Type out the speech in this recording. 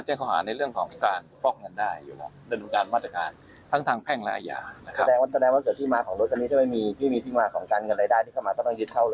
ต้องยึดเข้าเลยใช่ไหมครับ